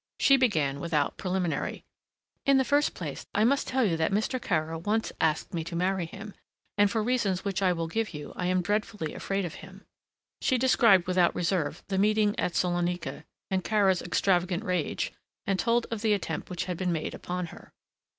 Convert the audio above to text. She began without preliminary. "In the first place I must tell you that Mr. Kara once asked me to marry him, and for reasons which I will give you, I am dreadfully afraid of him." She described without reserve the meeting at Salonika and Kara's extravagant rage and told of the attempt which had been made upon her.